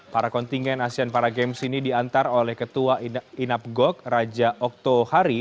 para kontingen asean paragames ini diantar oleh ketua inap gok raja okto hari